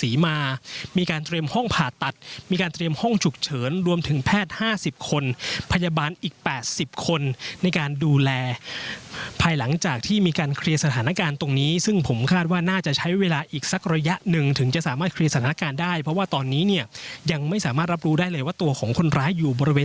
ศรีมามีการเตรียมห้องผ่าตัดมีการเตรียมห้องฉุกเฉินรวมถึงแพทย์๕๐คนพยาบาลอีก๘๐คนในการดูแลภายหลังจากที่มีการเคลียร์สถานการณ์ตรงนี้ซึ่งผมคาดว่าน่าจะใช้เวลาอีกสักระยะหนึ่งถึงจะสามารถเคลียร์สถานการณ์ได้เพราะว่าตอนนี้เนี่ยยังไม่สามารถรับรู้ได้เลยว่าตัวของคนร้ายอยู่บริเวณ